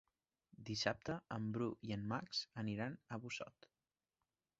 Dissabte en Bru i en Max aniran a Busot.